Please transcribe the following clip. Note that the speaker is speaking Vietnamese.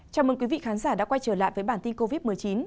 chào mừng quý vị khán giả đã quay trở lại với bản tin covid một mươi chín